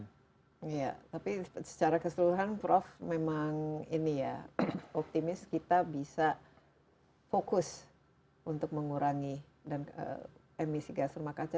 iya tapi secara keseluruhan prof memang ini ya optimis kita bisa fokus untuk mengurangi emisi gas rumah kaca